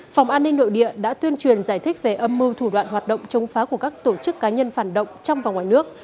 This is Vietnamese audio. phòng an ninh nội địa đã tuyên truyền giải thích về âm mưu thủ đoạn hoạt động chống phá của các tổ chức cá nhân phản động trong và ngoài nước